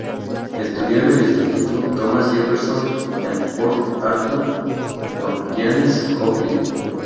Estudió en el Instituto Thomas Jefferson, en Port Arthur, con Janis Joplin.